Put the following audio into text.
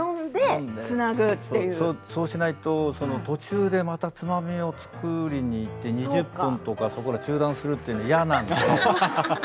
そうしないとまた途中でつまみを作りに行って２０分とか中断するのは嫌なんですよ。